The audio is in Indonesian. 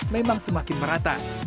memang semakin merata